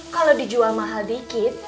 kalau dijual mahal bikin